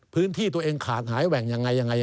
พื้นที่ตัวเองขาดหายแหว่งยังไงยังไง